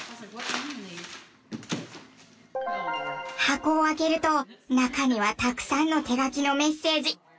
箱を開けると中にはたくさんの手書きのメッセージ。